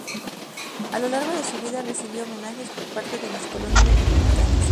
A lo largo de su vida recibió homenajes por parte de las colonias latinoamericanas.